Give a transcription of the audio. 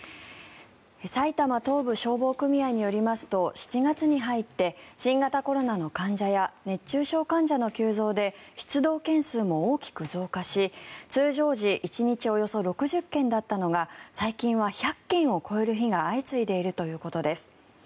埼玉東部消防組合によりますと７月に入って新型コロナの患者や熱中症患者の急増で出動件数も大きく増加し通常時１日およそ６０件だったのが最近は１００件を超える日が相次いでいるということです。